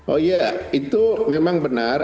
oh iya itu memang benar